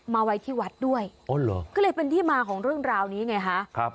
มาไว้ที่วัดด้วยก็เลยเป็นที่มาของเรื่องราวนี้ไงคะ